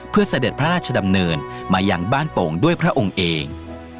เพื่อเสด็จพระราชดำเนินมาอย่างบ้านโป่งด้วยพระองค์เอง